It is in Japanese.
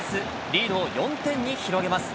リードを４点に広げます。